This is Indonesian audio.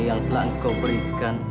yang telah engkau berikan